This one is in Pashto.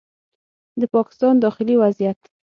د پاکستان داخلي وضعیت